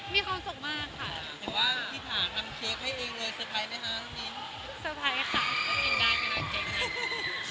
มีความสุขมากค่ะ